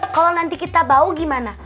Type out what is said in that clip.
kalau nanti kita bau gimana